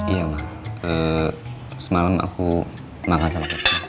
iya ma semalam aku makan sama catherine